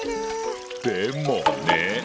でもね。